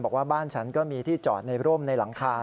บอกว่าบ้านฉันก็มีที่จอดในร่มในหลังคา